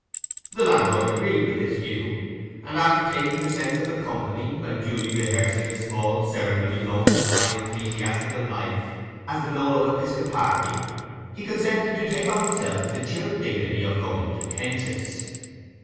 The landlord agreed with this view, and after taking the sense of the company, and duly rehearsing a small ceremony known in high ecclesiastical life as the nolo episcopari, he consented to take on himself the chill dignity of going to Kench's.